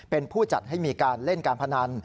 เป็นผู้จัดให้มีการเล่นการพนัน